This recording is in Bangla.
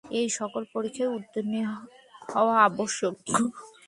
এই-সকল পরীক্ষায় উত্তীর্ণ হওয়া আবশ্যক।